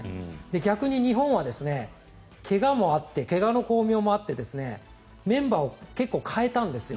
逆に日本は怪我の功名もあってメンバーを結構代えたんですよ。